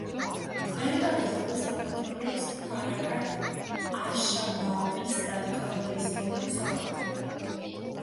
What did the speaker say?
ტერიტორიის ნაწილს აკონტროლებს ჰარაკატ აშ-შაბააბის რადიკალური ისლამური სახელმწიფო.